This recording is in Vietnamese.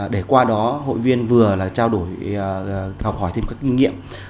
để qua đó hội viên vừa là trao đổi học hỏi thêm các kinh nghiệm